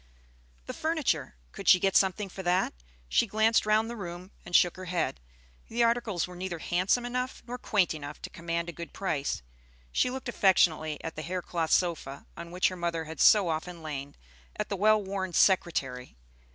The furniture, could she get something for that? She glanced round the room, and shook her head. The articles were neither handsome enough nor quaint enough to command a good price. She looked affectionately at the hair cloth sofa on which her mother had so often lain, at the well worn secretary.